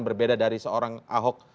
berbeda dari seorang ahok